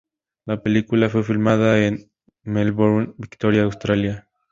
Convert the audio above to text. La película fue filmada en Melbourne, Victoria, Australia.